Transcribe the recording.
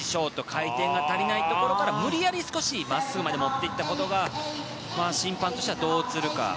回転が足りないところから無理やり真っすぐまでもっていったことが審判としてはどう映るか。